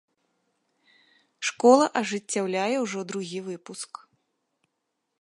Школа ажыццяўляе ўжо другі выпуск.